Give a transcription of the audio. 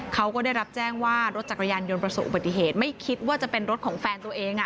เขาก็ได้รับแจ้งว่ารถจักรยานยนต์ประสบอุบัติเหตุไม่คิดว่าจะเป็นรถของแฟนตัวเอง